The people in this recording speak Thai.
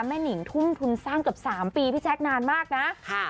แม่นิ่งทุ่มทุนสร้างกับสามปีพี่แจ๊กนานมากน่ะค่ะ